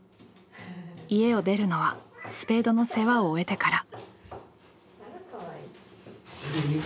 家を出るのはスペードの世話を終えてから。